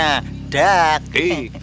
ada apaan sih